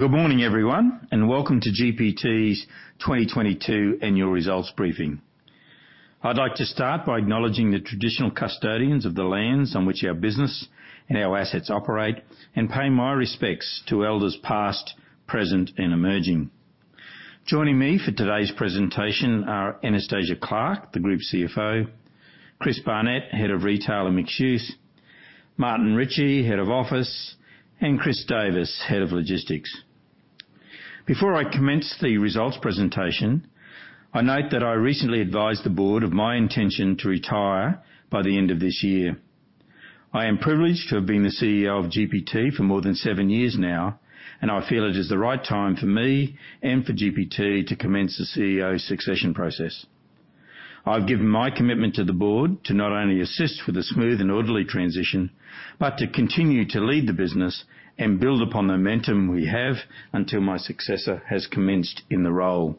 Good morning, everyone, and welcome to GPT's 2022 annual results briefing. I'd like to start by acknowledging the traditional custodians of the lands on which our business and our assets operate and pay my respects to elders past, present, and emerging. Joining me for today's presentation are Anastasia Clarke, the Group CFO, Chris Barnett, Head of Retail and Mixed-Use, Martin Ritchie, Head of Office, and Chris Davis, Head of Logistics. Before I commence the results presentation, I note that I recently advised the board of my intention to retire by the end of this year. I am privileged to have been the CEO of GPT for more than seven years now, and I feel it is the right time for me and for GPT to commence the CEO succession process. I've given my commitment to the board to not only assist with a smooth and orderly transition, but to continue to lead the business and build upon the momentum we have until my successor has commenced in the role.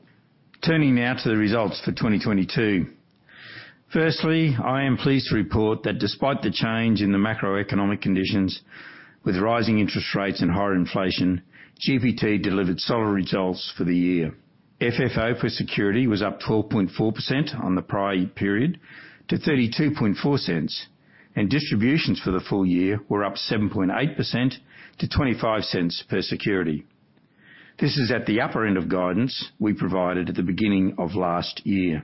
Turning now to the results for 2022. Firstly, I am pleased to report that despite the change in the macroeconomic conditions with rising interest rates and higher inflation, GPT delivered solid results for the year. FFO per security was up 12.4% on the prior period to 0.324, and distributions for the full year were up 7.8% to 0.25 per security. This is at the upper end of guidance we provided at the beginning of last year.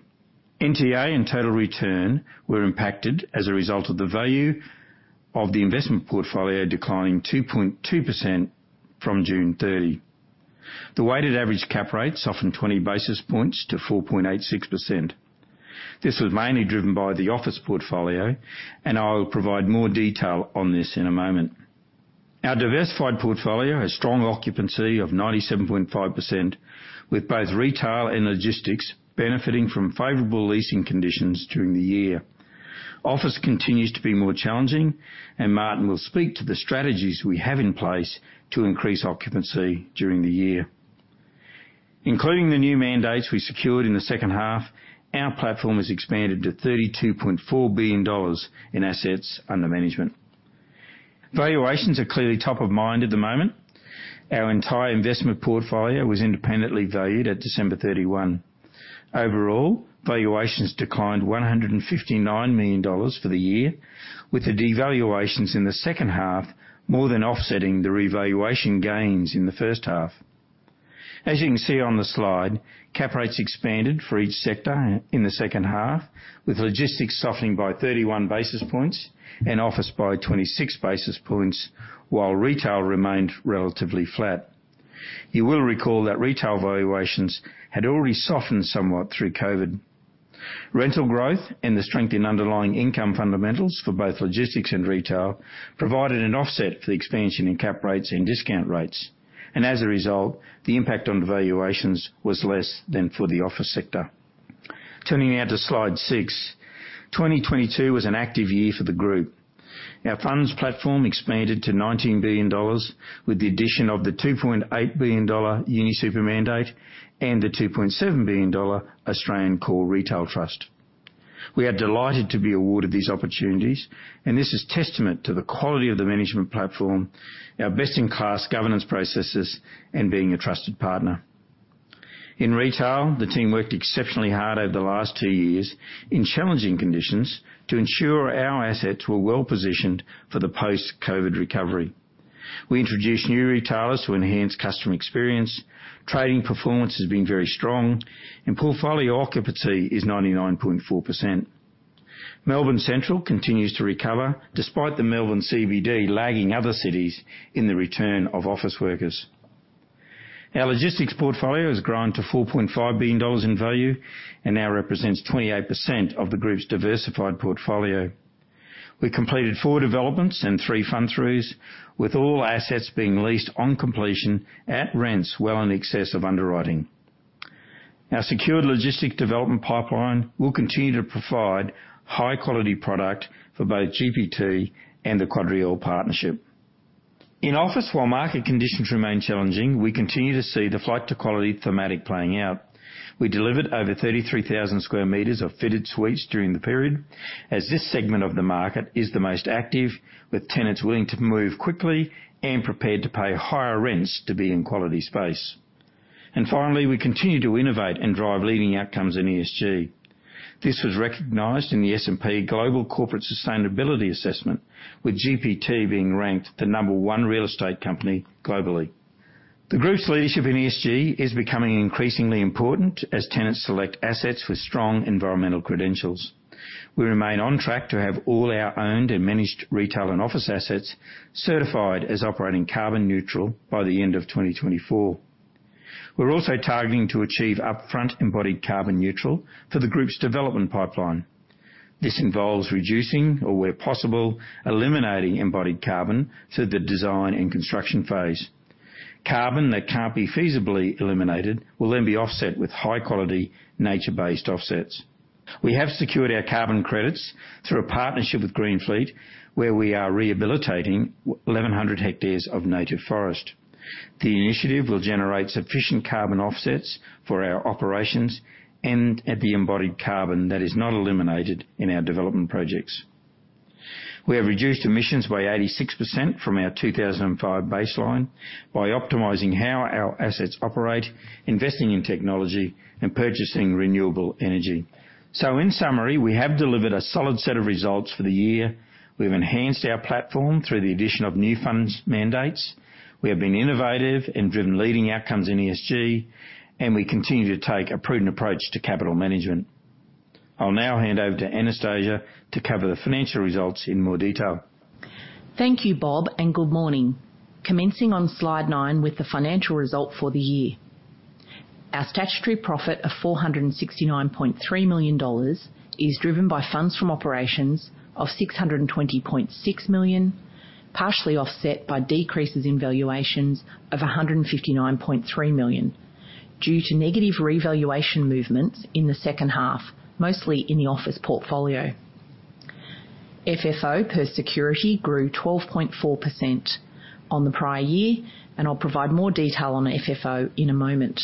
NTA and total return were impacted as a result of the value of the investment portfolio declining 2.2% from June 30. The weighted average cap rate softened 20 basis points to 4.86%. This was mainly driven by the office portfolio, and I'll provide more detail on this in a moment. Our diversified portfolio has strong occupancy of 97.5%, with both retail and logistics benefiting from favorable leasing conditions during the year. Office continues to be more challenging, and Martin will speak to the strategies we have in place to increase occupancy during the year. Including the new mandates we secured in the second half, our platform has expanded to 32.4 billion dollars in assets under management. Valuations are clearly top of mind at the moment. Our entire investment portfolio was independently valued at December 31. Overall, valuations declined 159 million dollars for the year, with the devaluations in the second half more than offsetting the revaluation gains in the first half. As you can see on the slide, cap rates expanded for each sector in the second half, with logistics softening by 31 basis points and office by 26 basis points, while retail remained relatively flat. You will recall that retail valuations had already softened somewhat through COVID. Rental growth and the strength in underlying income fundamentals for both logistics and retail provided an offset for the expansion in cap rates and discount rates. As a result, the impact on valuations was less than for the office sector. Turning now to slide six. 2022 was an active year for the group. Our funds platform expanded to 19 billion dollars with the addition of the 2.8 billion dollar UniSuper mandate and the 2.7 billion Australian dollars Australian Core Retail Trust. We are delighted to be awarded these opportunities, This is testament to the quality of the management platform, our best-in-class governance processes, and being a trusted partner. In retail, the team worked exceptionally hard over the last two years in challenging conditions to ensure our assets were well-positioned for the post-COVID recovery. We introduced new retailers to enhance customer experience. Trading performance has been very strong, Portfolio occupancy is 99.4%. Melbourne Central continues to recover despite the Melbourne CBD lagging other cities in the return of office workers. Our logistics portfolio has grown to 4.5 billion dollars in value and now represents 28% of the Group's diversified portfolio. We completed four developments and three fund raises, with all assets being leased on completion at rents well in excess of underwriting. Our secured logistic development pipeline will continue to provide high-quality product for both GPT and the QuadReal partnership. In office, while market conditions remain challenging, we continue to see the flight to quality thematic playing out. We delivered over 33,000 square meters of fitted suites during the period as this segment of the market is the most active, with tenants willing to move quickly and prepared to pay higher rents to be in quality space. Finally, we continue to innovate and drive leading outcomes in ESG. This was recognized in the S&P Global Corporate Sustainability Assessment, with GPT being ranked the number one real estate company globally. The group's leadership in ESG is becoming increasingly important as tenants select assets with strong environmental credentials. We remain on track to have all our owned and managed retail and office assets certified as operating carbon neutral by the end of 2024. We're also targeting to achieve upfront embodied carbon neutral for the group's development pipeline. This involves reducing or where possible, eliminating embodied carbon through the design and construction phase. Carbon that can't be feasibly eliminated will then be offset with high-quality nature-based offsets. We have secured our carbon credits through a partnership with Greenfleet, where we are rehabilitating 1,100 hectares of native forest. The initiative will generate sufficient carbon offsets for our operations and at the embodied carbon that is not eliminated in our development projects. We have reduced emissions by 86% from our 2005 baseline by optimizing how our assets operate, investing in technology, and purchasing renewable energy. In summary, we have delivered a solid set of results for the year. We've enhanced our platform through the addition of new funds mandates. We have been innovative and driven leading outcomes in ESG, and we continue to take a prudent approach to capital management. I'll now hand over to Anastasia to cover the financial results in more detail. Thank you, Bob. Good morning. Commencing on slide nine with the financial result for the year. Our statutory profit of 469.3 million dollars is driven by FFO of 620.6 million, partially offset by decreases in valuations of 159.3 million due to negative revaluation movements in the second half, mostly in the office portfolio. FFO per security grew 12.4% on the prior year, and I'll provide more detail on FFO in a moment.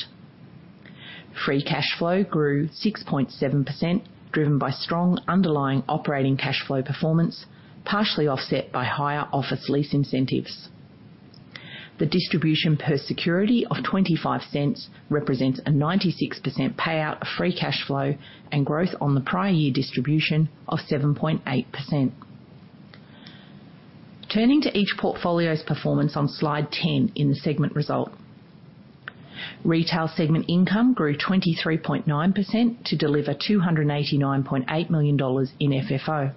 Free cash flow grew 6.7%, driven by strong underlying operating cash flow performance, partially offset by higher office lease incentives. The distribution per security of 0.25 represents a 96% payout of free cash flow and growth on the prior year distribution of 7.8%. Turning to each portfolio's performance on Slide 10 in the segment result. Retail segment income grew 23.9% to deliver 289.8 million dollars in FFO.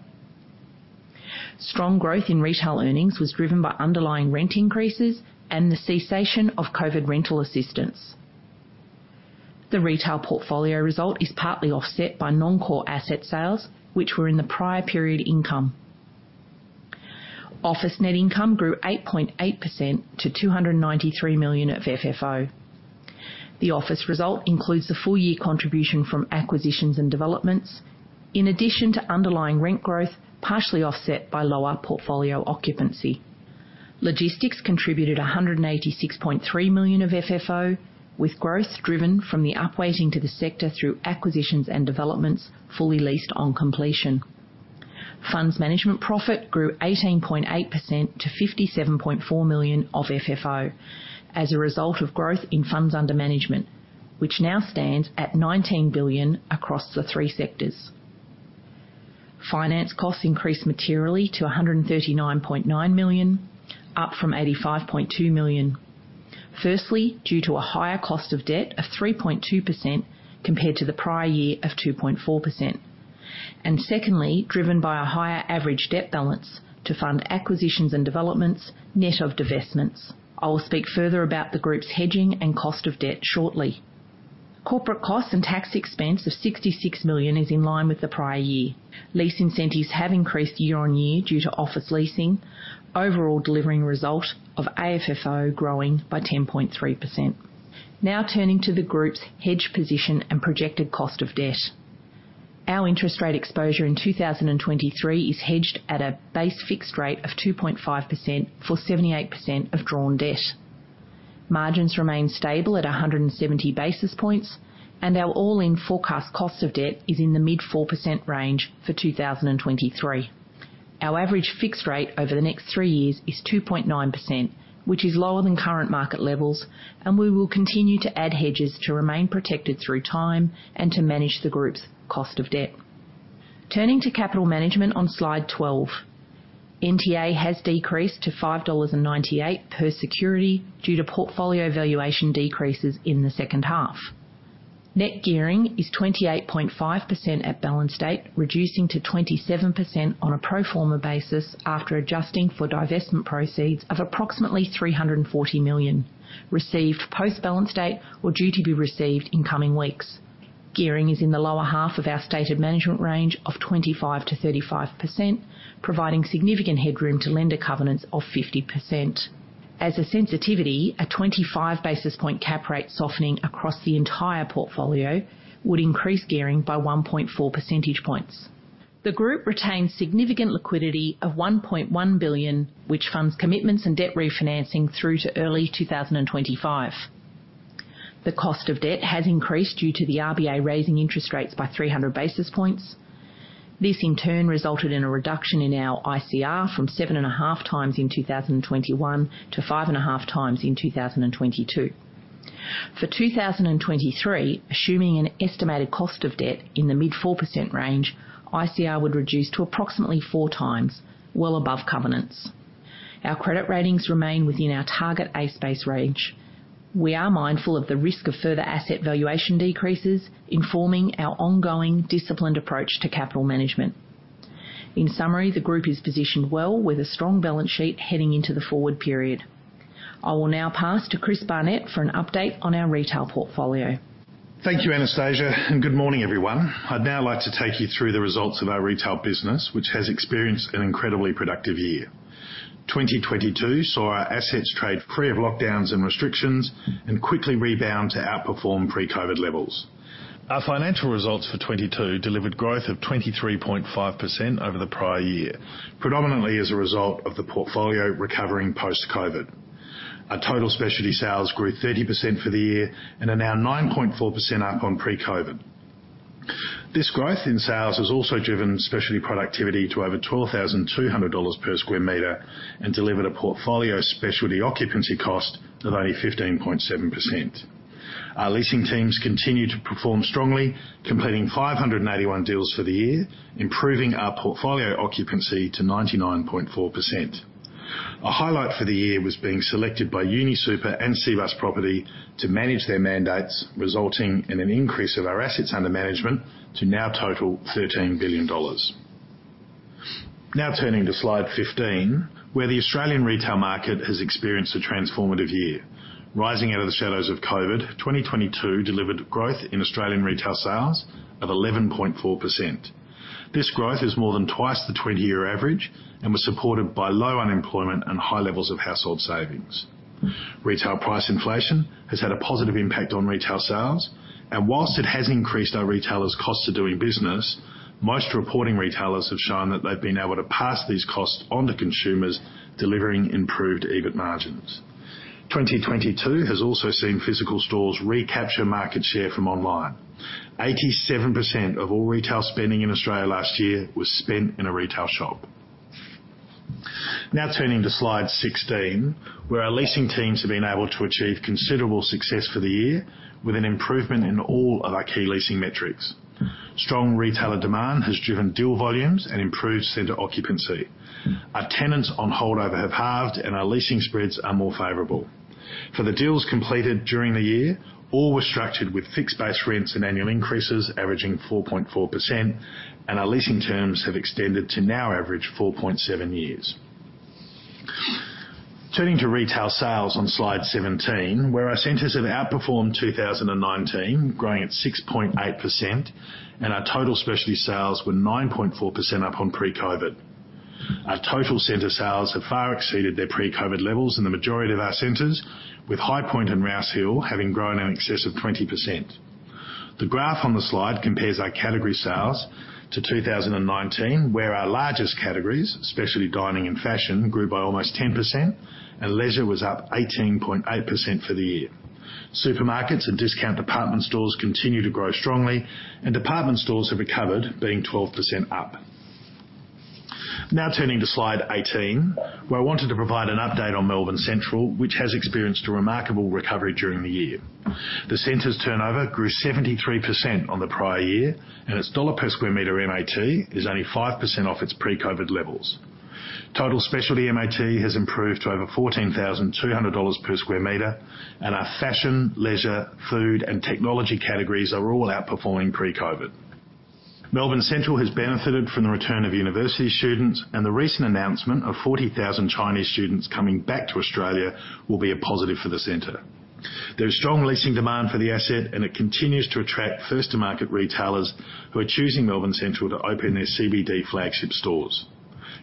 Strong growth in retail earnings was driven by underlying rent increases and the cessation of COVID rental assistance. The retail portfolio result is partly offset by non-core asset sales, which were in the prior period income. Office net income grew 8.8% to 293 million of FFO. The office result includes the full year contribution from acquisitions and developments in addition to underlying rent growth, partially offset by lower portfolio occupancy. Logistics contributed 186.3 million of FFO, with growth driven from the upweighting to the sector through acquisitions and developments fully leased on completion. Funds management profit grew 18.8% to 57.4 million of FFO as a result of growth in funds under management, which now stands at 19 billion across the three sectors. Finance costs increased materially to 139.9 million, up from 85.2 million. Firstly, due to a higher cost of debt of 3.2% compared to the prior year of 2.4%. Secondly, driven by a higher average debt balance to fund acquisitions and developments net of divestments. I will speak further about the group's hedging and cost of debt shortly. Corporate costs and tax expense of 66 million is in line with the prior year. Lease incentives have increased year-over-year due to office leasing, overall delivering a result of AFFO growing by 10.3%. Turning to the group's hedge position and projected cost of debt. Our interest rate exposure in 2023 is hedged at a base fixed rate of 2.5% for 78% of drawn debt. Margins remain stable at 170 basis points, and our all-in forecast cost of debt is in the mid 4% range for 2023. Our average fixed rate over the next three years is 2.9%, which is lower than current market levels, and we will continue to add hedges to remain protected through time and to manage the group's cost of debt. Turning to capital management on Slide 12. NTA has decreased to 5.98 dollars per security due to portfolio valuation decreases in the second half. Net gearing is 28.5% at balance date, reducing to 27% on a pro forma basis after adjusting for divestment proceeds of approximately 340 million received post balance date or due to be received in coming weeks. Gearing is in the lower half of our stated management range of 25%-35%, providing significant headroom to lender covenants of 50%. As a sensitivity, a 25 basis point cap rate softening across the entire portfolio would increase gearing by 1.4 percentage points. The group retains significant liquidity of 1.1 billion, which funds commitments and debt refinancing through to early 2025. The cost of debt has increased due to the RBA raising interest rates by 300 basis points. This, in turn, resulted in a reduction in our ICR from 7.5x in 2021 to 5.5x in 2022. For 2023, assuming an estimated cost of debt in the mid 4% range, ICR would reduce to approximately 4x, well above covenants. Our credit ratings remain within our target ace space range. We are mindful of the risk of further asset valuation decreases, informing our ongoing disciplined approach to capital management. In summary, the group is positioned well with a strong balance sheet heading into the forward period. I will now pass to Chris Barnett for an update on our retail portfolio. Thank you, Anastasia. Good morning, everyone. I'd now like to take you through the results of our retail business, which has experienced an incredibly productive year. 2022 saw our assets trade free of lockdowns and restrictions and quickly rebound to outperform pre-COVID levels. Our financial results for 2022 delivered growth of 23.5% over the prior year, predominantly as a result of the portfolio recovering post-COVID. Our total specialty sales grew 30% for the year and are now 9.4% up on pre-COVID. This growth in sales has also driven specialty productivity to over 12,200 dollars per square meter and delivered a portfolio specialty occupancy cost of only 15.7%. Our leasing teams continue to perform strongly, completing 581 deals for the year, improving our portfolio occupancy to 99.4%. A highlight for the year was being selected by UniSuper and Cbus Property to manage their mandates, resulting in an increase of our assets under management to now total 13 billion dollars. Turning to slide 15, where the Australian retail market has experienced a transformative year. Rising out of the shadows of COVID, 2022 delivered growth in Australian retail sales of 11.4%. This growth is more than twice the 20-year average and was supported by low unemployment and high levels of household savings. Retail price inflation has had a positive impact on retail sales, and whilst it has increased our retailers' cost to doing business, most reporting retailers have shown that they've been able to pass these costs on to consumers, delivering improved EBIT margins. 2022 has also seen physical stores recapture market share from online. 87% of all retail spending in Australia last year was spent in a retail shop. Now turning to slide 16, where our leasing teams have been able to achieve considerable success for the year with an improvement in all of our key leasing metrics. Strong retailer demand has driven deal volumes and improved center occupancy. Our tenants on holdover have halved and our leasing spreads are more favorable. For the deals completed during the year, all were structured with fixed-based rents and annual increases averaging 4.4%. Our leasing terms have extended to now average 4.7 years. Turning to retail sales on slide 17, where our centers have outperformed 2019, growing at 6.8%. Our total specialty sales were 9.4% up on pre-Covid. Our total center sales have far exceeded their pre-Covid levels in the majority of our centers, with Highpoint and Rouse Hill having grown in excess of 20%. The graph on the slide compares our category sales to 2019, where our largest categories, especially dining and fashion, grew by almost 10%. Leisure was up 18.8% for the year. Supermarkets and discount department stores continue to grow strongly, department stores have recovered, being 12% up. Turning to slide 18, where I wanted to provide an update on Melbourne Central, which has experienced a remarkable recovery during the year. The center's turnover grew 73% on the prior year, its AUD per square meter MAT is only 5% off its pre-COVID levels. Total specialty MAT has improved to over 14,200 dollars per square meter, our fashion, leisure, food, and technology categories are all outperforming pre-COVID. Melbourne Central has benefited from the return of university students, the recent announcement of 40,000 Chinese students coming back to Australia will be a positive for the center. There's strong leasing demand for the asset, it continues to attract first-to-market retailers who are choosing Melbourne Central to open their CBD flagship stores.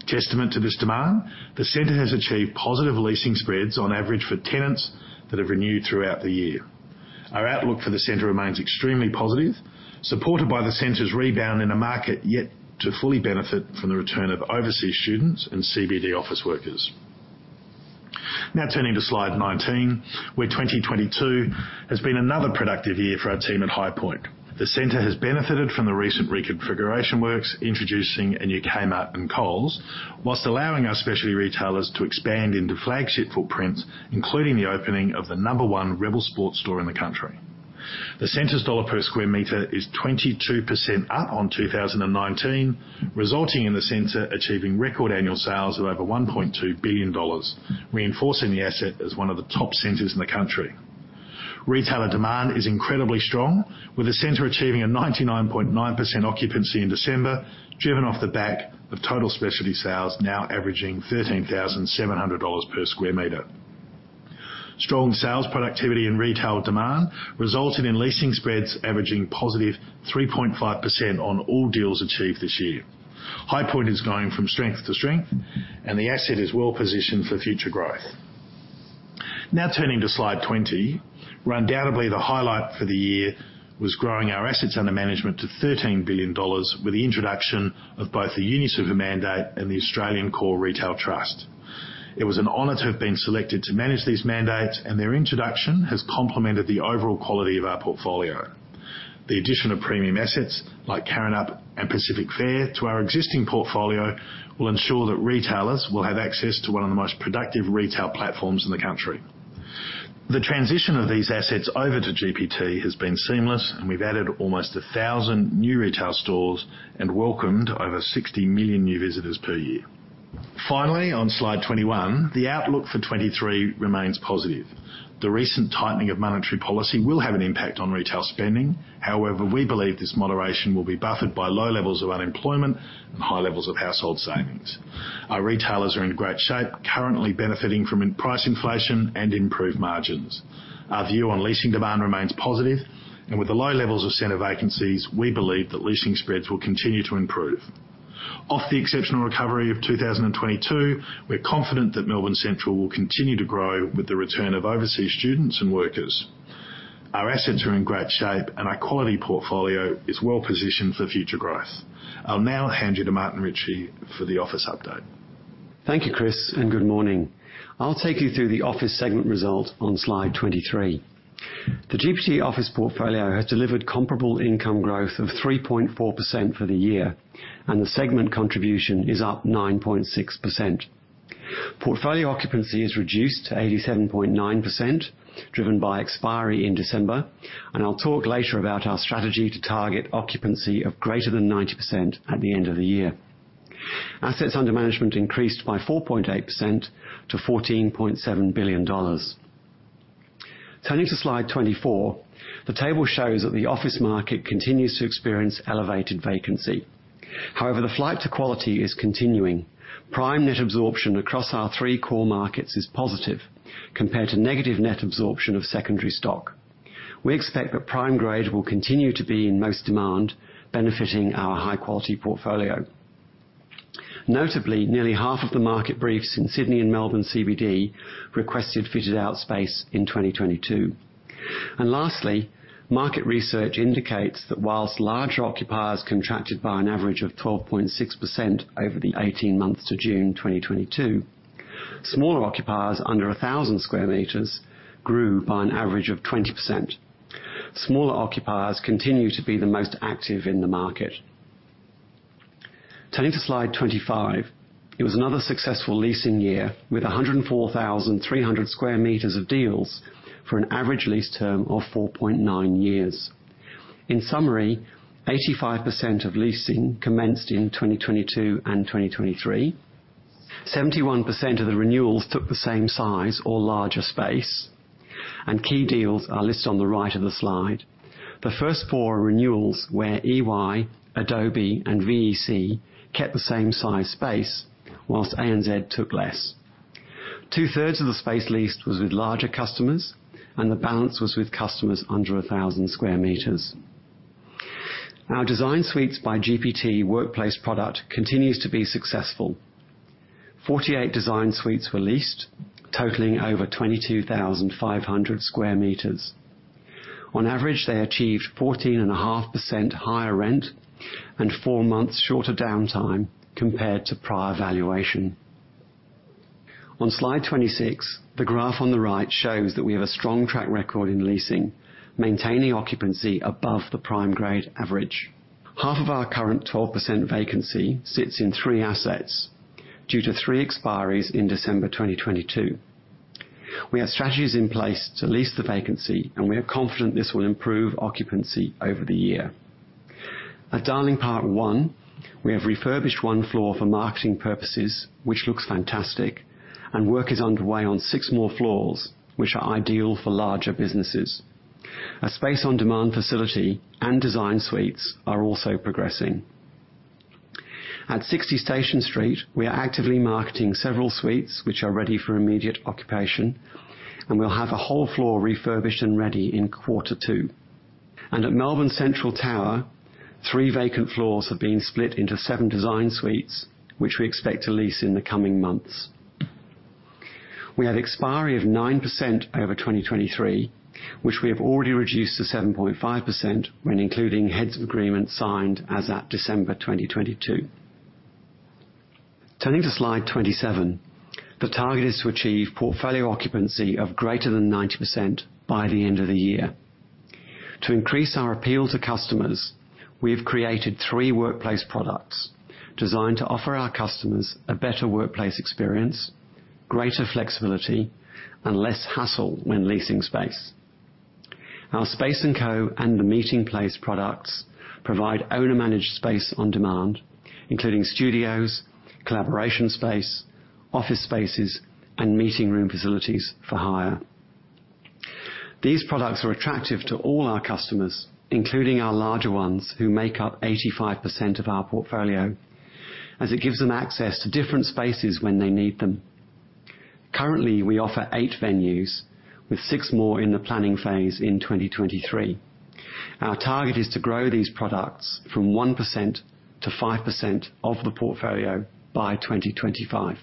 Testament to this demand, the center has achieved positive leasing spreads on average for tenants that have renewed throughout the year. Our outlook for the center remains extremely positive, supported by the center's rebound in a market yet to fully benefit from the return of overseas students and CBD office workers. Turning to slide 19, where 2022 has been another productive year for our team at Highpoint. The center has benefited from the recent reconfiguration works, introducing a new Kmart and Coles, whilst allowing our specialty retailers to expand into flagship footprints, including the opening of the number one rebel store in the country. The center's dollar per square meter is 22% up on 2019, resulting in the center achieving record annual sales of over 1.2 billion dollars, reinforcing the asset as one of the top centers in the country. Retailer demand is incredibly strong, with the center achieving a 99.9% occupancy in December, driven off the back of total specialty sales now averaging 13,700 dollars per square meter. Strong sales productivity and retail demand resulted in leasing spreads averaging positive 3.5% on all deals achieved this year. Highpoint is going from strength to strength, and the asset is well-positioned for future growth. Turning to slide 20, where undoubtedly the highlight for the year was growing our assets under management to 13 billion dollars with the introduction of both the UniSuper mandate and the Australian Core Retail Trust. It was an honor to have been selected to manage these mandates, and their introduction has complemented the overall quality of our portfolio. The addition of premium assets like Karrinyup and Pacific Fair to our existing portfolio will ensure that retailers will have access to one of the most productive retail platforms in the country. The transition of these assets over to GPT has been seamless. We've added almost 1,000 new retail stores and welcomed over 60 million new visitors per year. Finally, on slide 21, the outlook for 2023 remains positive. The recent tightening of monetary policy will have an impact on retail spending. However, we believe this moderation will be buffered by low levels of unemployment and high levels of household savings. Our retailers are in great shape, currently benefiting from price inflation and improved margins. Our view on leasing demand remains positive, with the low levels of center vacancies, we believe that leasing spreads will continue to improve. Off the exceptional recovery of 2022, we're confident that Melbourne Central will continue to grow with the return of overseas students and workers. Our assets are in great shape, and our quality portfolio is well-positioned for future growth. I'll now hand you to Martin Ritchie for the office update. Thank you, Chris. Good morning. I'll take you through the office segment result on slide 23. The GPT office portfolio has delivered comparable income growth of 3.4% for the year. The segment contribution is up 9.6%. Portfolio occupancy is reduced to 87.9%, driven by expiry in December. I'll talk later about our strategy to target occupancy of greater than 90% at the end of the year. Assets under management increased by 4.8% to 14.7 billion dollars. Turning to slide 24, the table shows that the office market continues to experience elevated vacancy. The flight to quality is continuing. Prime net absorption across our three core markets is positive compared to negative net absorption of secondary stock. We expect that prime grade will continue to be in most demand, benefiting our high-quality portfolio. Notably, nearly half of the market briefs in Sydney and Melbourne CBD requested fitted-out space in 2022. Lastly, market research indicates that whilst larger occupiers contracted by an average of 12.6% over the 18 months to June 2022, smaller occupiers under 1,000 square meters grew by an average of 20%. Smaller occupiers continue to be the most active in the market. Turning to slide 25, it was another successful leasing year with 104,300 square meters of deals for an average leae term of 4.9 years. In summary, 85% of leasing commenced in 2022 and 2023. 71% of the renewals took the same size or larger space, and key deals are listed on the right of the slide. The first four are renewals, where EY, Adobe, and VEC kept the same size space, whilst ANZ took less. 2/3 of the space leased was with larger customers, and the balance was with customers under 1,000 square meters. Our DesignSuites by GPT workplace product continues to be successful. 48 DesignSuites were leased, totaling over 22,500 square meters. On average, they achieved 14.5% higher rent and four months shorter downtime compared to prior valuation. On slide 26, the graph on the right shows that we have a strong track record in leasing, maintaining occupancy above the prime grade average. Half of our current 12% vacancy sits in three assets due to three expiries in December 2022. We have strategies in place to lease the vacancy, and we are confident this will improve occupancy over the year. At Darling Park 1, we have refurbished one floor for marketing purposes, which looks fantastic, and work is underway on six more floors, which are ideal for larger businesses. A space on demand facility and DesignSuites are also progressing. At 60 Station Street, we are actively marketing several suites which are ready for immediate occupation, and we'll have a whole floor refurbished and ready in quarter two. At Melbourne Central Tower, three vacant floors have been split into seven DesignSuites, which we expect to lease in the coming months. We have expiry of 9% over 2023, which we have already reduced to 7.5% when including heads of agreement signed as at December 2022. Turning to slide 27, the target is to achieve portfolio occupancy of greater than 90% by the end of the year. To increase our appeal to customers, we have created three workplace products designed to offer our customers a better workplace experience, greater flexibility, and less hassle when leasing space. Our Space&Co. and the meeting place products provide owner-managed space on demand, including studios, collaboration space, office spaces, and meeting room facilities for hire. These products are attractive to all our customers, including our larger ones, who make up 85% of our portfolio, as it gives them access to different spaces when they need them. Currently, we offer eight venues with six more in the planning phase in 2023. Our target is to grow these products from 1% to 5% of the portfolio by 2025.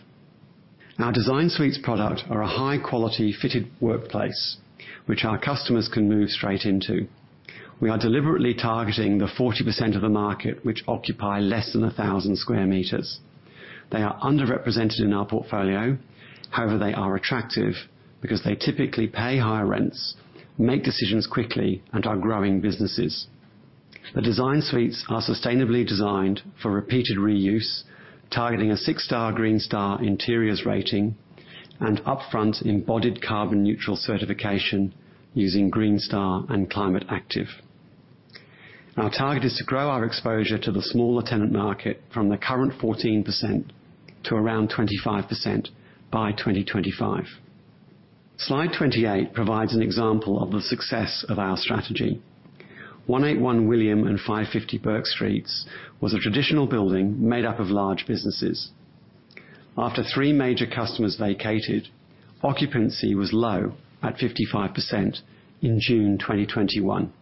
Our DesignSuites product are a high-quality fitted workplace which our customers can move straight into. We are deliberately targeting the 40% of the market which occupy less than 1,000 square meters. They are underrepresented in our portfolio. However, they are attractive because they typically pay higher rents, make decisions quickly, and are growing businesses. The DesignSuites are sustainably designed for repeated reuse, targeting a six star Green Star interiors rating and upfront embodied carbon neutral certification using Green Star and Climate Active. Our target is to grow our exposure to the smaller tenant market from the current 14% to around 25% by 2025. Slide 28 provides an example of the success of our strategy. 181 William and 550 Bourke Street was a traditional building made up of large businesses. After three major customers vacated, occupancy was low at 55% in June 2021.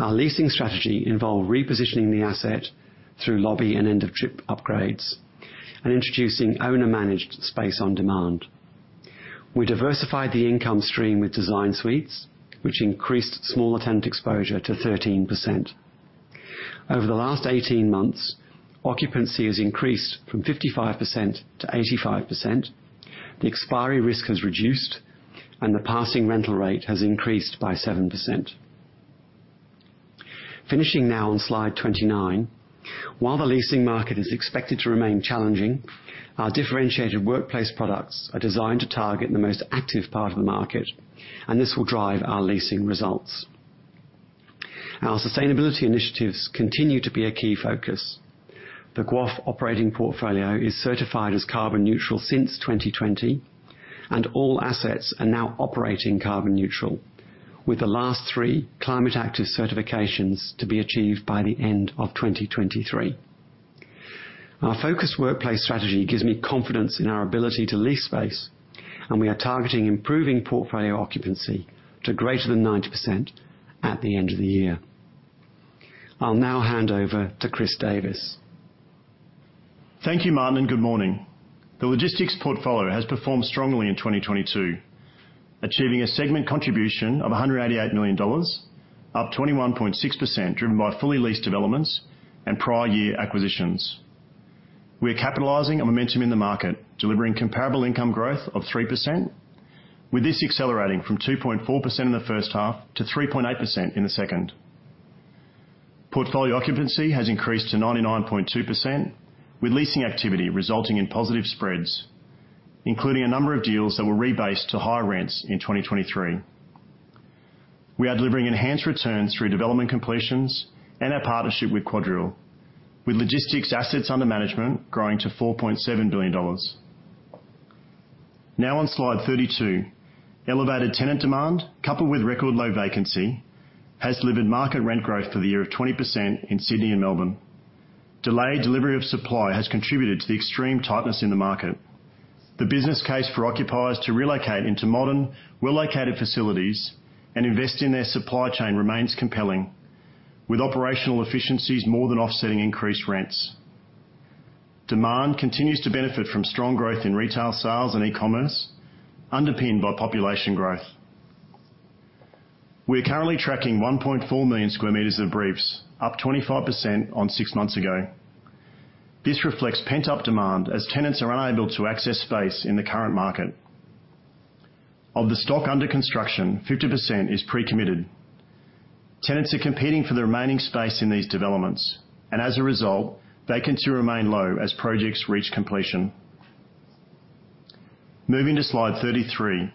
Our leasing strategy involved repositioning the asset through lobby and end-of-trip upgrades and introducing owner-managed space on demand. We diversified the income stream with DesignSuites, which increased small tenant exposure to 13%. Over the last 18 months, occupancy has increased from 55% to 85%. The expiry risk has reduced, and the passing rental rate has increased by 7%. Finishing now on slide 29. While the leasing market is expected to remain challenging, our differentiated workplace products are designed to target the most active part of the market, and this will drive our leasing results. Our sustainability initiatives continue to be a key focus. The GWOF operating portfolio is certified as carbon neutral since 2020. All assets are now operating carbon neutral, with the last three Climate Active certifications to be achieved by the end of 2023. Our focused workplace strategy gives me confidence in our ability to lease space, and we are targeting improving portfolio occupancy to greater than 90% at the end of the year. I'll now hand over to Chris Davis. Thank you, Martin, and good morning. The logistics portfolio has performed strongly in 2022, achieving a segment contribution of 188 million dollars, up 21.6%, driven by fully leased developments and prior year acquisitions. We're capitalizing on momentum in the market, delivering comparable income growth of 3%, with this accelerating from 2.4% in the first half to 3.8% in the second. Portfolio occupancy has increased to 99.2%, with leasing activity resulting in positive spreads, including a number of deals that were rebased to higher rents in 2023. We are delivering enhanced returns through development completions and our partnership with QuadReal, with logistics assets under management growing to 4.7 billion dollars. Now on slide 32. Elevated tenant demand, coupled with record low vacancy, has delivered market rent growth for the year of 20% in Sydney and Melbourne. Delayed delivery of supply has contributed to the extreme tightness in the market. The business case for occupiers to relocate into modern, well-located facilities and invest in their supply chain remains compelling, with operational efficiencies more than offsetting increased rents. Demand continues to benefit from strong growth in retail sales and e-commerce, underpinned by population growth. We are currently tracking 1,400,000 square meters of briefs, up 25% on six months ago. This reflects pent-up demand as tenants are unable to access space in the current market. Of the stock under construction, 50% is pre-committed. Tenants are competing for the remaining space in these developments. As a result, vacancy remain low as projects reach completion. Moving to slide 33.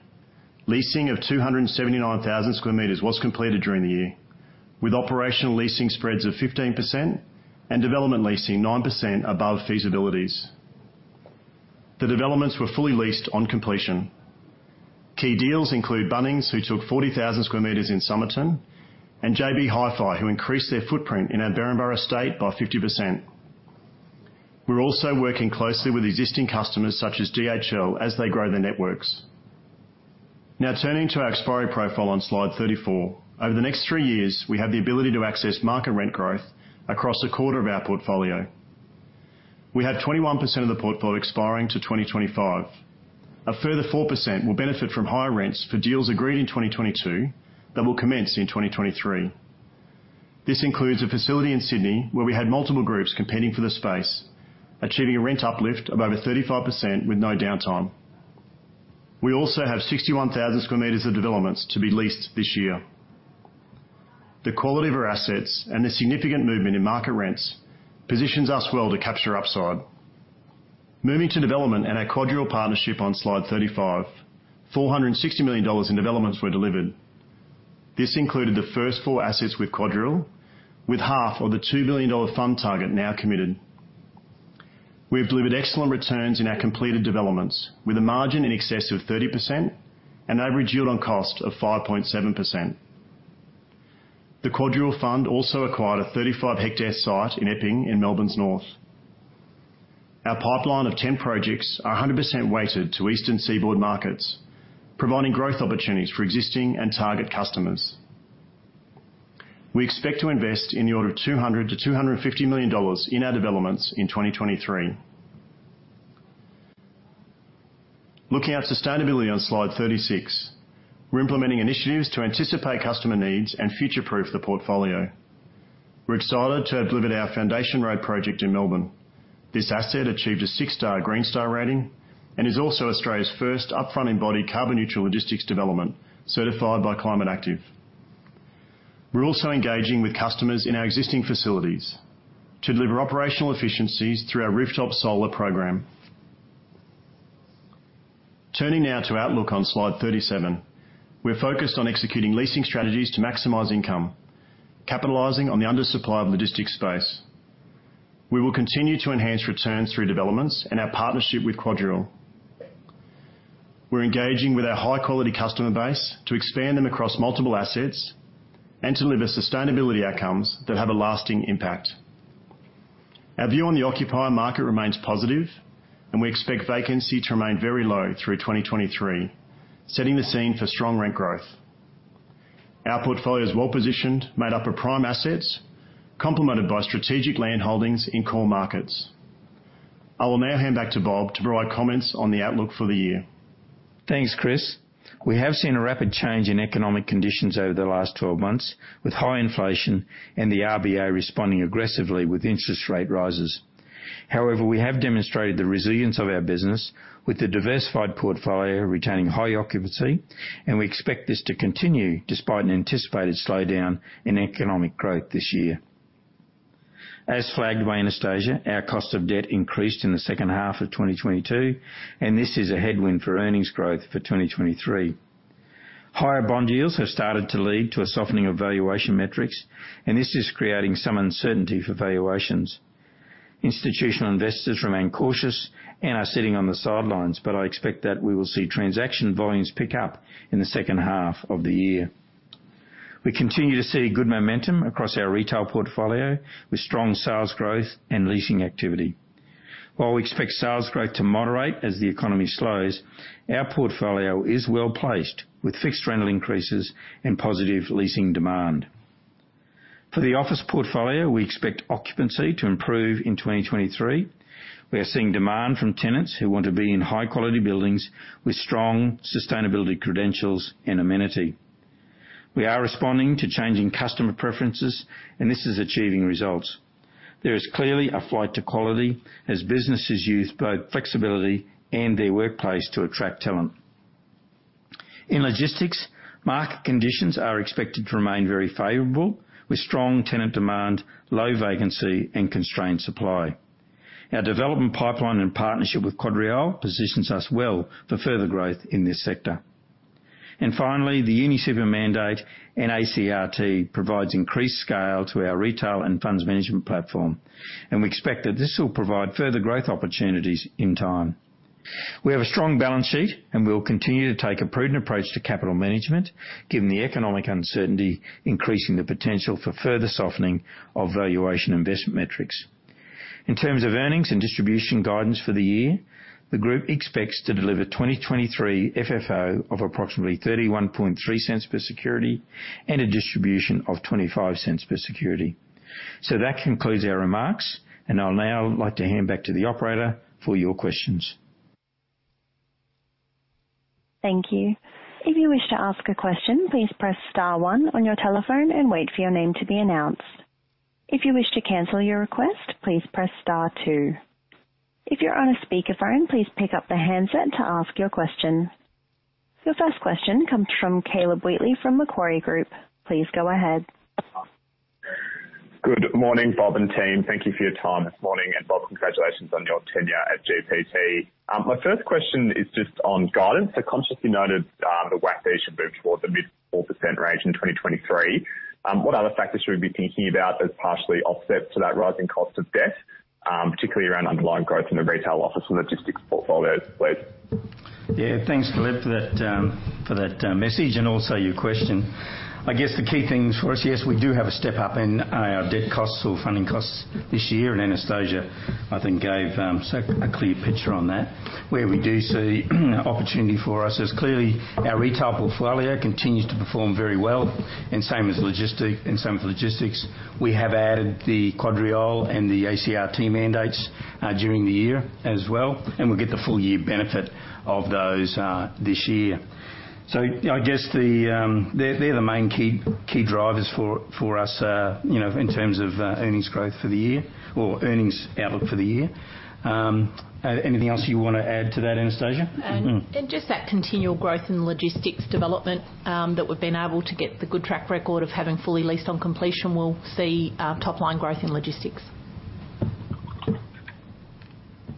Leasing of 279,000 square meters was completed during the year, with operational leasing spreads of 15% and development leasing 9% above feasibilities. The developments were fully leased on completion. Key deals include Bunnings, who took 40,000 square meters in Somerton, and JB Hi-Fi, who increased their footprint in our Berrinba state by 50%. We're also working closely with existing customers such as DHL as they grow their networks. Turning to our expiry profile on slide 34. Over the next three years, we have the ability to access market rent growth across a quarter of our portfolio. We have 21% of the portfolio expiring to 2025. A further 4% will benefit from higher rents for deals agreed in 2022 that will commence in 2023. This includes a facility in Sydney where we had multiple groups competing for the space, achieving a rent uplift of over 35% with no downtime. We also have 61,000 square meters of developments to be leased this year. The quality of our assets and the significant movement in market rents positions us well to capture upside. Moving to development and our QuadReal partnership on slide 35. 460 million dollars in developments were delivered. This included the first four assets with QuadReal, with half of the 2 billion dollar fund target now committed. We have delivered excellent returns in our completed developments, with a margin in excess of 30% and average yield on cost of 5.7%. The QuadReal Fund also acquired a 35 hectare site in Epping in Melbourne's north. Our pipeline of 10 projects are 100% weighted to Eastern Seaboard markets, providing growth opportunities for existing and target customers. We expect to invest in the order of 200 million-250 million dollars in our developments in 2023. Looking at sustainability on slide 36. We're implementing initiatives to anticipate customer needs and future-proof the portfolio. We're excited to have delivered our Foundation Road project in Melbourne. This asset achieved a six star Green Star rating and is also Australia's first upfront embodied carbon-neutral logistics development certified by Climate Active. We're also engaging with customers in our existing facilities to deliver operational efficiencies through our rooftop solar program. Turning now to outlook on slide 37. We're focused on executing leasing strategies to maximize income, capitalizing on the undersupply of logistics space. We will continue to enhance returns through developments and our partnership with QuadReal. We're engaging with our high-quality customer base to expand them across multiple assets and to deliver sustainability outcomes that have a lasting impact. Our view on the occupier market remains positive. We expect vacancy to remain very low through 2023, setting the scene for strong rent growth. Our portfolio is well positioned, made up of prime assets, complemented by strategic land holdings in core markets. I will now hand back to Bob to provide comments on the outlook for the year. Thanks, Chris. We have seen a rapid change in economic conditions over the last 12 months, with high inflation and the RBA responding aggressively with interest rate rises. However, we have demonstrated the resilience of our business with the diversified portfolio retaining high occupancy, and we expect this to continue despite an anticipated slowdown in economic growth this year. As flagged by Anastasia, our cost of debt increased in the second half of 2022, and this is a headwind for earnings growth for 2023. Higher bond yields have started to lead to a softening of valuation metrics, and this is creating some uncertainty for valuations. Institutional investors remain cautious and are sitting on the sidelines, but I expect that we will see transaction volumes pick up in the second half of the year. We continue to see good momentum across our retail portfolio with strong sales growth and leasing activity. While we expect sales growth to moderate as the economy slows, our portfolio is well-placed with fixed rental increases and positive leasing demand. For the office portfolio, we expect occupancy to improve in 2023. We are seeing demand from tenants who want to be in high-quality buildings with strong sustainability credentials and amenity. We are responding to changing customer preferences and this is achieving results. There is clearly a flight to quality as businesses use both flexibility and their workplace to attract talent. In logistics, market conditions are expected to remain very favorable with strong tenant demand, low vacancy and constrained supply. Our development pipeline and partnership with QuadReal positions us well for further growth in this sector. Finally, the UniSuper mandate and ACRT provides increased scale to our retail and funds management platform. We expect that this will provide further growth opportunities in time. We have a strong balance sheet. We will continue to take a prudent approach to capital management, given the economic uncertainty, increasing the potential for further softening of valuation investment metrics. In terms of earnings and distribution guidance for the year, the group expects to deliver 2023 FFO of approximately 0.313 per security and a distribution of 0.25 per security. That concludes our remarks. I'll now like to hand back to the operator for your questions. Thank you. If you wish to ask a question, please press star one on your telephone and wait for your name to be announced. If you wish to cancel your request, please press star two. If you're on a speakerphone, please pick up the handset to ask your question. Your first question comes from Caleb Wheatley, from Macquarie Group. Please go ahead. Good morning, Bob and team. Thank you for your time this morning, and Bob, congratulations on your tenure at GPT. My first question is just on guidance. Consciously noted, the WACC should move towards the mid 4% range in 2023. What other factors should we be thinking about that partially offsets to that rising cost of debt, particularly around underlying growth in the retail office and logistics portfolios, please? Yeah, thanks, Caleb, for that, for that message and also your question. I guess the key things for us, yes, we do have a step up in our debt costs or funding costs this year. Anastasia, I think, gave a clear picture on that. Where we do see an opportunity for us is clearly our retail portfolio continues to perform very well and same as logistics. We have added the QuadReal and the ACRT mandates during the year as well. We'll get the full year benefit of those this year. I guess they're the main key drivers for us, you know, in terms of earnings growth for the year or earnings outlook for the year. Anything else you wanna add to that, Anastasia? Just that continual growth in logistics development, that we've been able to get the good track record of having fully leased on completion, we'll see top line growth in logistics.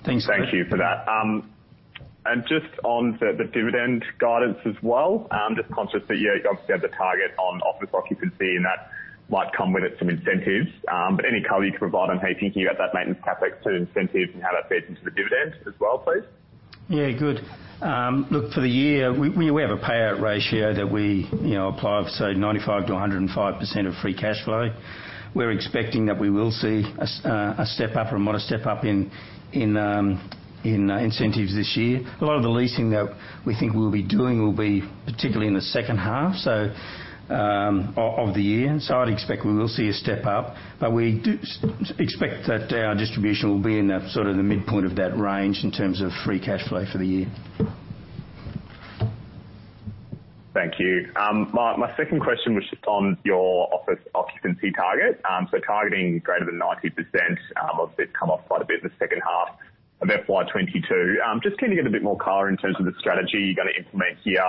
Thanks. Thank you for that. Just on the dividend guidance as well, I'm just conscious that you obviously have the target on office occupancy and that might come with it some incentives. Any color you can provide on how you're thinking about that maintenance CapEx to incentives and how that feeds into the dividend as well, please. Yeah, good. Look, for the year, we have a payout ratio that we, you know, apply of say 95%-105% of free cash flow. We're expecting that we will see a step up or a moderate step up in incentives this year. A lot of the leasing that we think we'll be doing will be particularly in the second half of the year. I'd expect we will see a step up, but we do expect that our distribution will be in the sort of the midpoint of that range in terms of free cash flow for the year. Thank you. My second question was just on your office occupancy target. Targeting greater than 90%, obviously come off quite a bit in the second half of FY 2022. Just can you give a bit more color in terms of the strategy you're gonna implement here?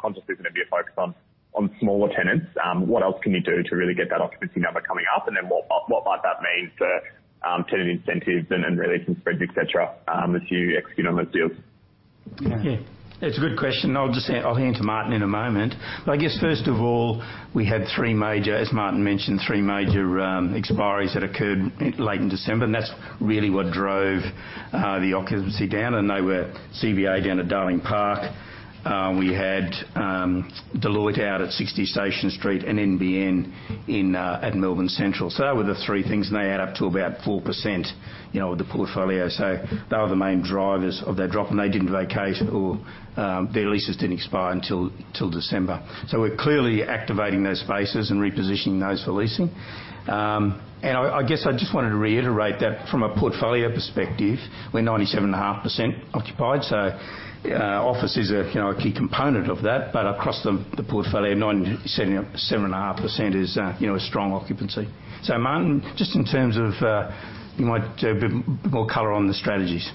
Consciously there's gonna be a focus on smaller tenants. What else can you do to really get that occupancy number coming up? What might that mean for tenant incentives and leasing spreads, et cetera, as you execute on those deals? Yeah. It's a good question. I'll just say, I'll hand to Martin in a moment. I guess first of all, we had three major, as Martin mentioned, three major expiries that occurred late in December, and that's really what drove the occupancy down, and they were CBA down at Darling Park. We had Deloitte out at 60 Station Street and NBN in at Melbourne Central. That were the three things, and they add up to about 4%, you know, of the portfolio. They were the main drivers of that drop, and they didn't vacate. Their leases didn't expire until, till December. We're clearly activating those spaces and repositioning those for leasing. I guess I just wanted to reiterate that from a portfolio perspective, we're 97.5% occupied. Office is a, you know, a key component of that. Across the portfolio, 97.5% is, you know, a strong occupancy. Martin, just in terms of, you might give a bit more color on the strategies.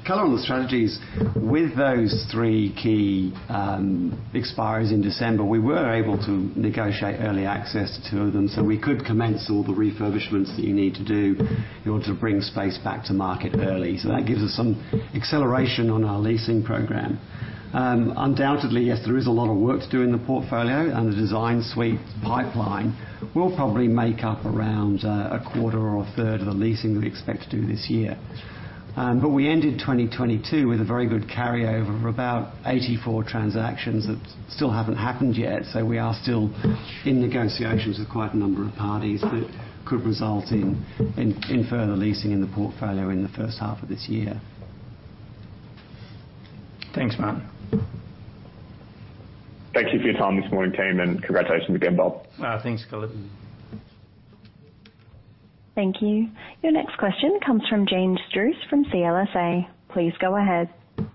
Yeah. Mm. Color on the strategies, with those three key expiries in December, we were able to negotiate early access to them, so we could commence all the refurbishments that you need to do in order to bring space back to market early. That gives us some acceleration on our leasing program. Undoubtedly, yes, there is a lot of work to do in the portfolio and the DesignSuites pipeline will probably make up around a quarter or a third of the leasing that we expect to do this year. But we ended 2022 with a very good carryover of about 84 transactions that still haven't happened yet. We are still in negotiations with quite a number of parties that could result in further leasing in the portfolio in the first half of this year. Thanks, Martin. Thank you for your time this morning, team. Congratulations again, Bob. Thanks, Caleb. Thank you. Your next question comes from James Druce from CLSA. Please go ahead. Yeah.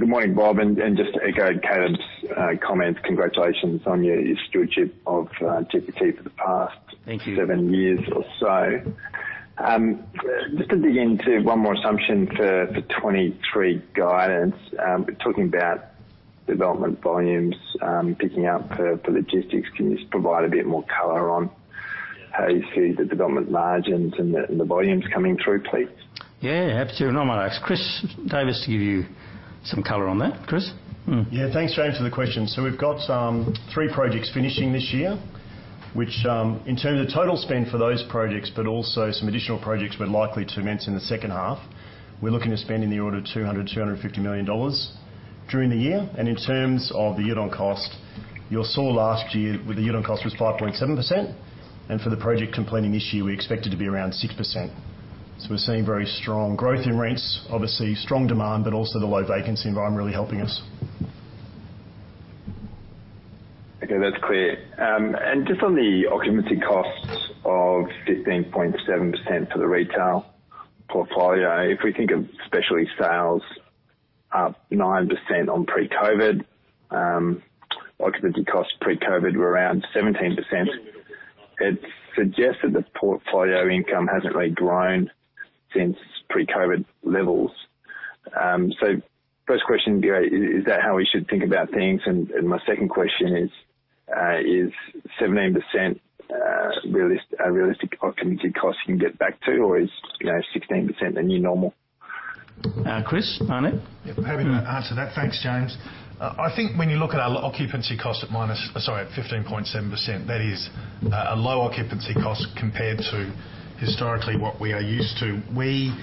Good morning, Bob, and just to echo Caleb's comments, congratulations on your stewardship of GPT for the past-. Thank you. Seven years or so. Just to dig into one more assumption for 2023 guidance, talking about development volumes, picking up for logistics, can you just provide a bit more color on how you see the development margins and the volumes coming through, please? Absolutely. No worries. Chris Davis to give you some color on that. Chris? Yeah, thanks, James, for the question. We've got three projects finishing this year which, in terms of total spend for those projects, but also some additional projects we're likely to commence in the second half. We're looking to spend in the order 200 million-250 million dollars during the year. In terms of the yield on cost, you all saw last year with the yield on cost was 5.7%. For the project completing this year, we expect it to be around 6%. We're seeing very strong growth in rents, obviously strong demand, but also the low vacancy environment really helping us. Okay, that's clear. Just on the occupancy costs of 15.7% for the retail portfolio, if we think of specialty sales up 9% on pre-COVID, occupancy costs pre-COVID were around 17%. It suggests that the portfolio income hasn't really grown since pre-COVID levels. First question, you know, is that how we should think about things? My second question is 17% a realistic occupancy cost you can get back to, or is, you know, 16% the new normal? Chris on it. Yeah. Happy to answer that. Thanks, James. I think when you look at our occupancy cost at 15.7%, that is a low occupancy cost compared to historically what we are used to. We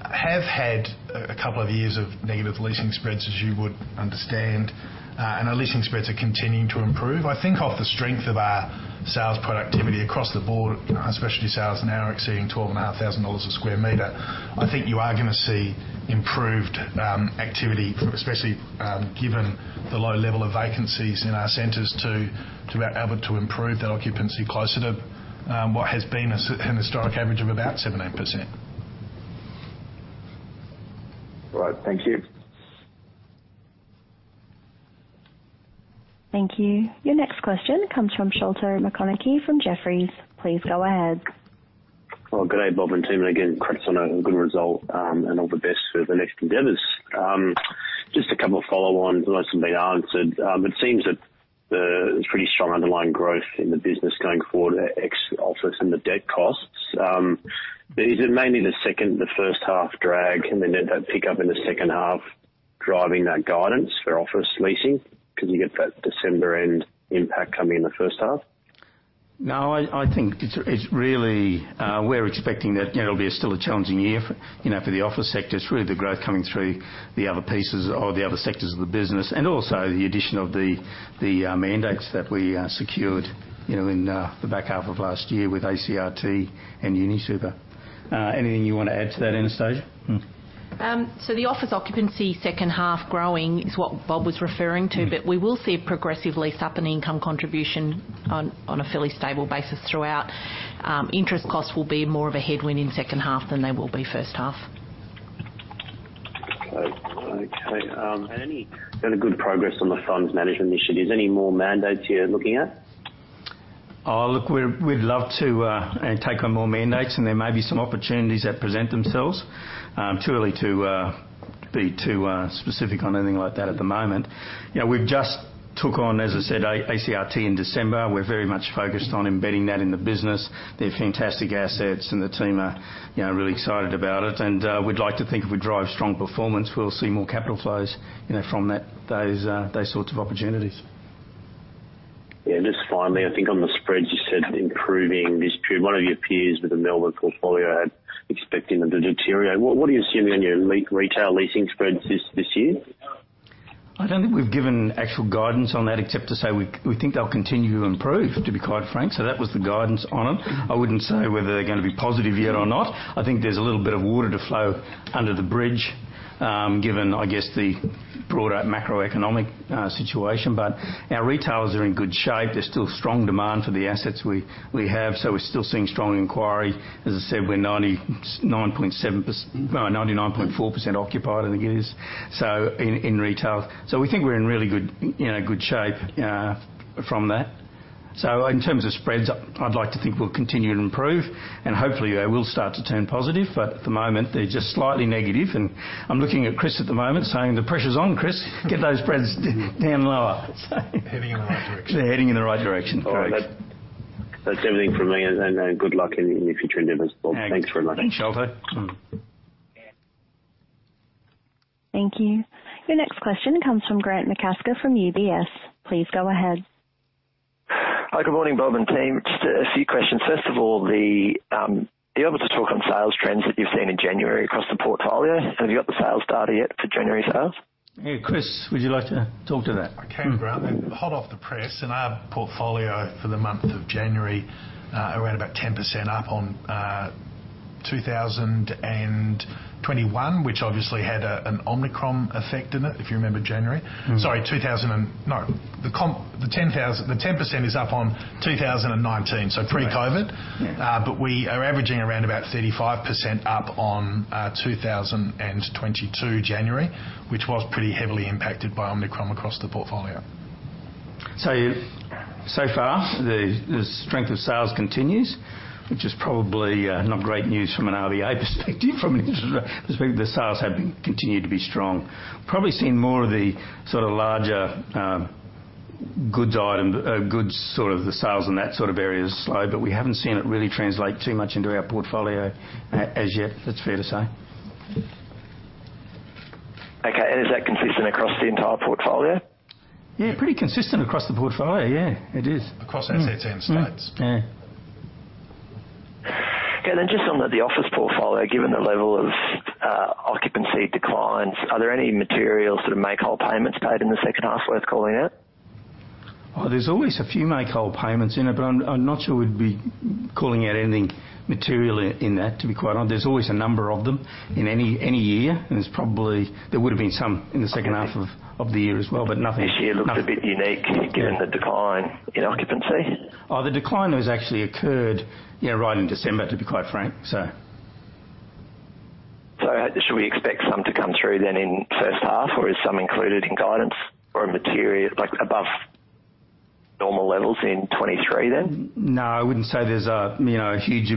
have had a couple of years of negative leasing spreads, as you would understand. Our leasing spreads are continuing to improve. I think of the strength of our sales productivity across the board, our specialty sales now are exceeding 12,500 dollars a square meter. I think you are going to see improved activity, especially given the low level of vacancies in our centers to be able to improve that occupancy closer to what has been a historic average of about 7%-8%. All right. Thank you. Thank you. Your next question comes from Sholto Maconochie from Jefferies. Please go ahead. Well, good day, Bob and team. Again, congrats on a good result, and all the best for the next endeavors. A couple of follow on unless they've been answered. It seems that there's pretty strong underlying growth in the business going forward ex office and the debt costs. Is it mainly the first half drag and then that pick up in the second half driving that guidance for office leasing 'cause you get that December end impact coming in the first half? No, I think it's really. We're expecting that, you know, it'll be still a challenging year for, you know, for the office sector. It's really the growth coming through the other pieces or the other sectors of the business, and also the addition of the mandates that we secured, you know, in the back half of last year with ACRT and UniSuper. Anything you wanna add to that, Anastasia? The office occupancy second half growing is what Bob was referring to. We will see a progressive lease up and income contribution on a fairly stable basis throughout. Interest costs will be more of a headwind in second half than they will be first half. Okay. Any good progress on the funds management initiatives? Any more mandates you're looking at? Look, we'd love to take on more mandates. There may be some opportunities that present themselves. Too early to be too specific on anything like that at the moment. You know, we've just took on, as I said, ACRT in December. We're very much focused on embedding that in the business. They're fantastic assets. The team are, you know, really excited about it. We'd like to think if we drive strong performance, we'll see more capital flows, you know, from those sorts of opportunities. Yeah. Just finally, I think on the spreads you said improving this period. One of your peers with the Melbourne portfolio had expecting them to deteriorate. What are you assuming on your retail leasing spreads this year? I don't think we've given actual guidance on that, except to say we think they'll continue to improve, to be quite frank. That was the guidance on them. I wouldn't say whether they're gonna be positive yet or not. I think there's a little bit of water to flow under the bridge, given, I guess, the broader macroeconomic situation. Our retailers are in good shape. There's still strong demand for the assets we have, so we're still seeing strong inquiry. As I said, we're 99.4% occupied, I think it is, so in retail. We think we're in really good, you know, good shape from that. In terms of spreads, I'd like to think we'll continue to improve, and hopefully they will start to turn positive, but at the moment, they're just slightly negative. I'm looking at Chris at the moment saying, "The pressure's on, Chris. Get those spreads down lower. Heading in the right direction. They're heading in the right direction. Correct. All right. That's everything from me, and good luck in your future endeavors Bob. Thanks very much. Thanks, Sholto. Mm-hmm. Thank you. Your next question comes from Grant McCasker from UBS. Please go ahead. Hi, good morning, Bob and team. Just a few questions. First of all, be able to talk on sales trends that you've seen in January across the portfolio. Have you got the sales data yet for January sales? Yeah. Chris, would you like to talk to that? I can, Grant. Hot off the press, in our portfolio for the month of January, around about 10% up on, 2021, which obviously had an Omicron effect in it, if you remember January. Mm-hmm. Sorry, No. The 10% is up on 2019, so pre-COVID. Yeah. We are averaging around about 35% up on 2022 January, which was pretty heavily impacted by Omicron across the portfolio. So far, the strength of sales continues, which is probably not great news from an RBA perspective, from an interest rate, but the sales have been continued to be strong. Probably seen more of the sort of larger goods item, sort of the sales in that sort of area is slow, but we haven't seen it really translate too much into our portfolio as yet, it's fair to say. Okay. Is that consistent across the entire portfolio? Yeah, pretty consistent across the portfolio. Yeah, it is. Across assets and states. Yeah. Just on the office portfolio, given the level of occupancy declines, are there any materials that are make-whole payments paid in the second half worth calling out? There's always a few make-whole payments in it, but I'm not sure we'd be calling out anything material in that, to be quite honest. There's always a number of them in any year, and there would have been some in the second half of the year as well, but nothing. This year looks a bit unique given the decline in occupancy. The decline has actually occurred, you know, right in December, to be quite frank. Should we expect some to come through then in first half, or is some included in guidance or material, like above normal levels in 2023, then? No, I wouldn't say there's a, you know, huge,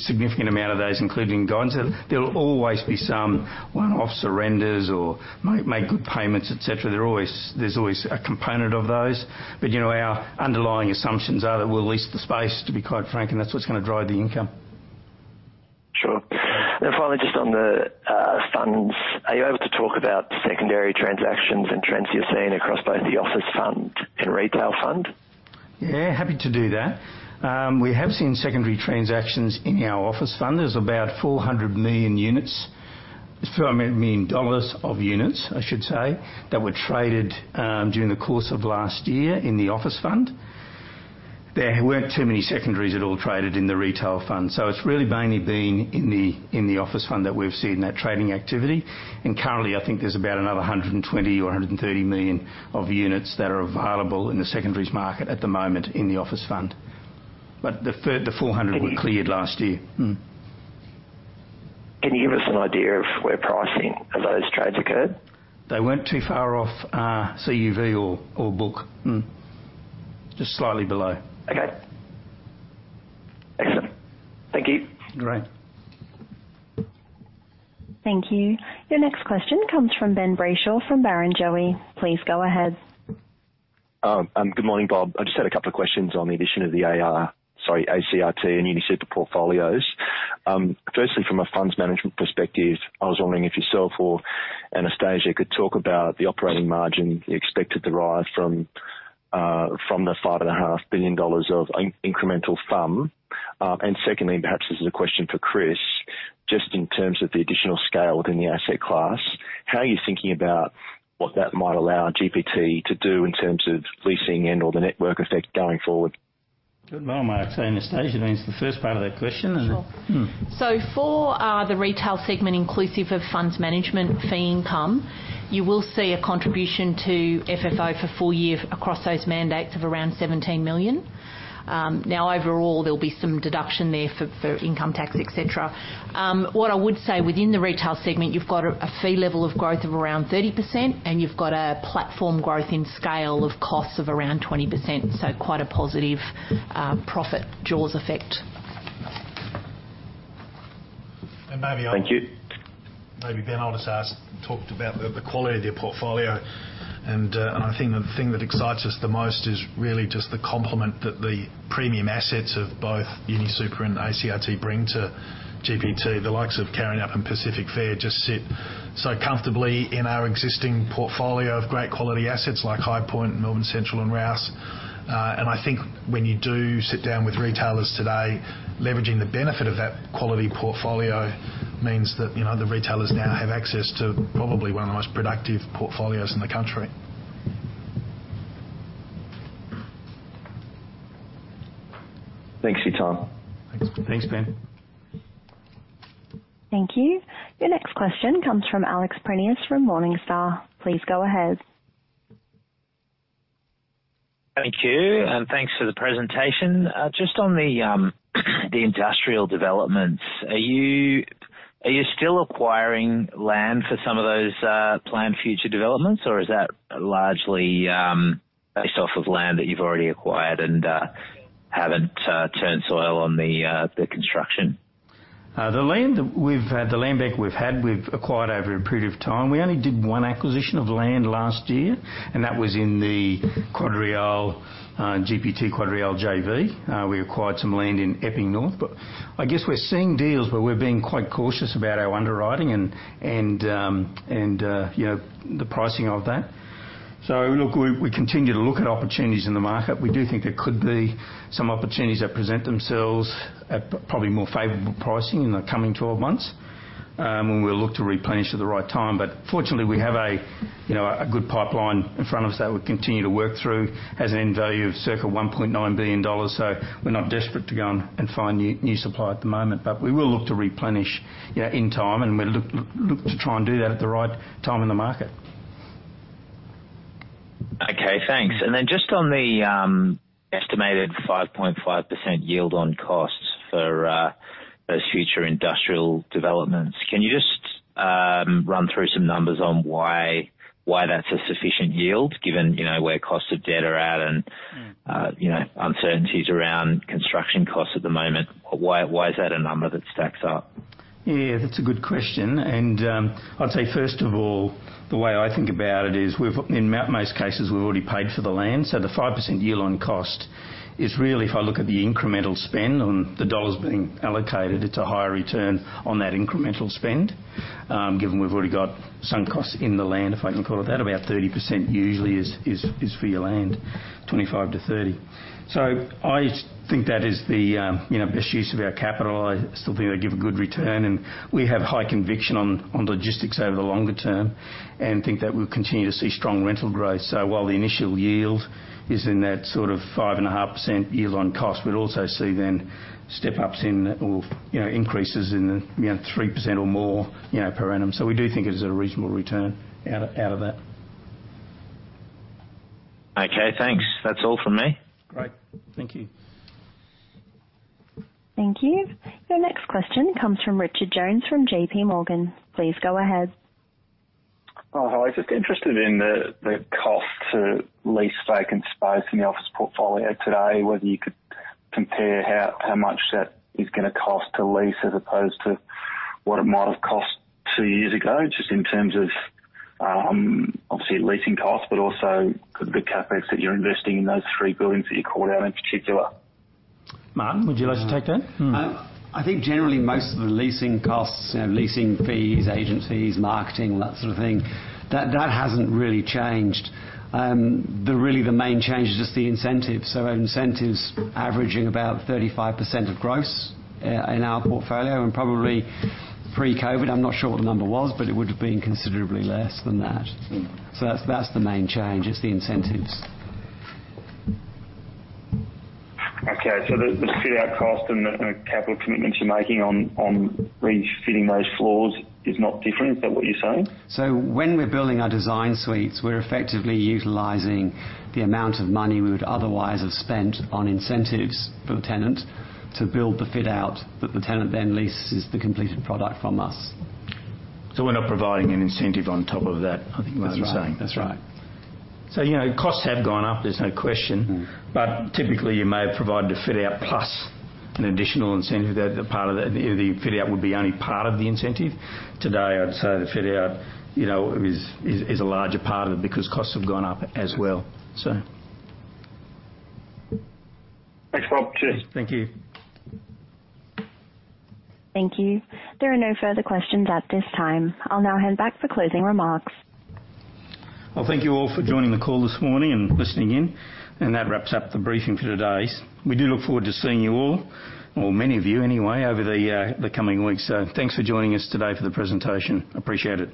significant amount of those included in guidance. There'll always be some one-off surrenders or make good payments, et cetera. There's always a component of those. You know, our underlying assumptions are that we'll lease the space, to be quite frank, and that's what's gonna drive the income. Sure. Finally, just on the funds, are you able to talk about secondary transactions and trends you're seeing across both the office fund and retail fund? Yeah, happy to do that. We have seen secondary transactions in our office fund. There's about 400 million units, 400 million dollars of units, I should say, that were traded during the course of last year in the office fund. There weren't too many secondaries at all traded in the retail fund. It's really mainly been in the office fund that we've seen that trading activity. Currently, I think there's about another 120,000,000 or 130,000,000 of units that are available in the secondaries market at the moment in the office fund. The 400 were cleared last year. Can you give us an idea of where pricing of those trades occurred? They weren't too far off our CUV or book. Just slightly below. Okay. Excellent. Thank you. Great. Thank you. Your next question comes from Ben Brayshaw from Barrenjoey. Please go ahead. Good morning, Bob. I just had a couple of questions on the addition of the ACRT and UniSuper portfolios. Firstly, from a funds management perspective, I was wondering if yourself or Anastasia could talk about the operating margin expected derive from AUD 5.5 billion of incremental FUM? Secondly, perhaps this is a question for Chris, just in terms of the additional scale within the asset class, how are you thinking about what that might allow GPT to do in terms of leasing and/or the network effect going forward? Good. Well, I might say, Anastasia, I mean, it's the first part of that question. Sure. Mm. For the retail segment, inclusive of funds management fee income, you will see a contribution to FFO for full year across those mandates of around 17 million. Now overall, there'll be some deduction there for income tax, et cetera. What I would say within the retail segment, you've got a fee level of growth of around 30%, and you've got a platform growth in scale of costs of around 20%, quite a positive profit jaws effect. Thank you. Maybe, maybe, Ben, I'll just ask, talked about the quality of their portfolio, I think the thing that excites us the most is really just the complement that the premium assets of both UniSuper and ACRT bring to GPT. The likes of Warringah and Pacific Fair just sit so comfortably in our existing portfolio of great quality assets like Highpoint, Melbourne Central, and Rouse. I think when you do sit down with retailers today, leveraging the benefit of that quality portfolio means that, you know, the retailers now have access to probably one of the most productive portfolios in the country. Thank you, Tom. Thanks, Ben. Thank you. Your next question comes from Alex Prineas from Morningstar. Please go ahead. Thank you, and thanks for the presentation. Just on the industrial developments, are you still acquiring land for some of those planned future developments or is that largely based off of land that you've already acquired and haven't turned soil on the construction? The land we've had, the land bank we've had, we've acquired over a period of time. We only did one acquisition of land last year, and that was in the QuadReal, GPT QuadReal JV. We acquired some land in Epping North. I guess we're seeing deals where we're being quite cautious about our underwriting and, you know, the pricing of that. Look, we continue to look at opportunities in the market. We do think there could be some opportunities that present themselves at probably more favorable pricing in the coming 12 months, and we'll look to replenish at the right time. Fortunately, we have a, you know, a good pipeline in front of us that we continue to work through as an end value of circa 1.9 billion dollars, so we're not desperate to go and find new supply at the moment. We will look to replenish, you know, in time, and we'll look to try and do that at the right time in the market. Okay, thanks. Then just on the estimated 5.5% yield on costs for those future industrial developments, can you just run through some numbers on why that's a sufficient yield given, you know, where costs of debt are at and, you know, uncertainties around construction costs at the moment? Why is that a number that stacks up? Yeah, that's a good question. I'd say, first of all, the way I think about it is in most cases, we've already paid for the land. The 5% yield on cost is really if I look at the incremental spend on the AUD being allocated, it's a higher return on that incremental spend, given we've already got some costs in the land, if I can call it that. About 30% usually is for your land, 25%-30%. I think that is the, you know, best use of our capital. I still think they give a good return, and we have high conviction on logistics over the longer term and think that we'll continue to see strong rental growth. While the initial yield is in that sort of 5.5% yield on cost, we'd also see then step-ups in or, you know, increases in, you know, 3% or more, you know, per annum. We do think it is a reasonable return out of that. Okay, thanks. That's all from me. Great. Thank you. Thank you. Your next question comes from Richard Jones from JPMorgan. Please go ahead. Oh, hi. Just interested in the cost to lease vacant space in the office portfolio today, whether you could compare how much that is gonna cost to lease as opposed to what it might have cost two years ago, just in terms of, obviously leasing costs, but also the CapEx that you're investing in those three buildings that you called out in particular. Martin, would you like to take that? I think generally most of the leasing costs, you know, leasing fees, agent fees, marketing, all that sort of thing, that hasn't really changed. The main change is just the incentives. Incentives averaging about 35% of gross in our portfolio and probably pre-COVID, I'm not sure what the number was, but it would have been considerably less than that. That's the main change is the incentives. The fit-out cost and the capital commitments you're making on refitting those floors is not different. Is that what you're saying? When we're building our DesignSuites, we're effectively utilizing the amount of money we would otherwise have spent on incentives for the tenant to build the fit-out that the tenant then leases the completed product from us. We're not providing an incentive on top of that, I think that's what you're saying. That's right. That's right. You know, costs have gone up, there's no question. Mm-hmm. Typically you may have provided a fit-out plus an additional incentive that a part of that, you know, the fit-out would be only part of the incentive. Today, I'd say the fit-out, you know, is a larger part of it because costs have gone up as well, so. Thanks, Bob. Cheers. Thank you. Thank you. There are no further questions at this time. I'll now hand back for closing remarks. Well, thank you all for joining the call this morning and listening in. That wraps up the briefing for today. We do look forward to seeing you all or many of you anyway over the coming weeks. Thanks for joining us today for the presentation. Appreciate it.